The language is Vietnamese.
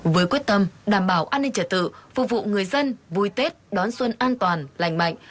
với quyết tâm đảm bảo an ninh trật tự phục vụ người dân vui tết đón xuân an toàn lành mạnh